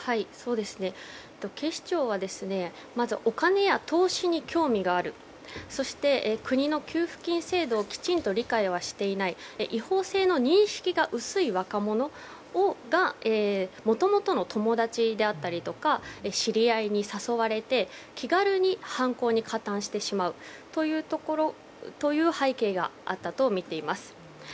警視庁はまず、お金や投資に興味があるそして、国の給付金制度をきちんと理解はしていない違法性の認識が薄い若者がもともとの友達であったり知り合いに誘われて気軽に犯行に加担してしまうという背景があったとみています。